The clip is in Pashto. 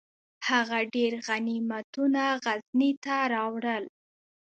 هغه ډیر غنیمتونه غزني ته راوړل.